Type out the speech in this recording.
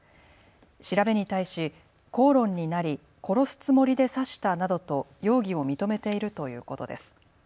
調べに対し口論になり殺すつもりで刺したなどと容疑を認めているということです。